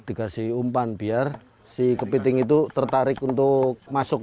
dikasih umpan biar si kepiting itu tertarik untuk masuk